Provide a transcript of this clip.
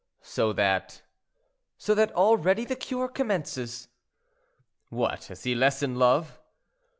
"So that—" "So that already the cure commences." "What, is he less in love?"